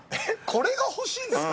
これが欲しいんですか？